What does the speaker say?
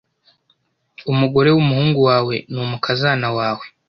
Umugore wumuhungu wawe ni umukazana wawe .